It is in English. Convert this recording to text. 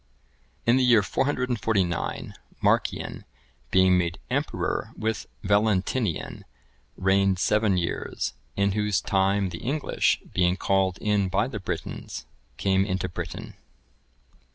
[I, 13.] In the year 449, Marcian being made emperor with Valentinian, reigned seven years; in whose time the English, being called in by the Britons, came into Britain.